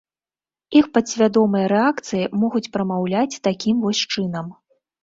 Іх падсвядомыя рэакцыі могуць прамаўляць такім вось чынам.